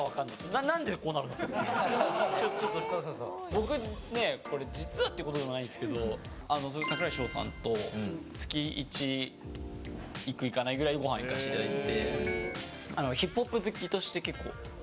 僕、実はっていうこともないですけど櫻井翔さんと月１で行く行かないくらいごはん行かせていただいて。